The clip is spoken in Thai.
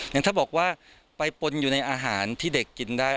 อย่างถ้าบอกว่าไปปนอยู่ในอาหารที่เด็กกินได้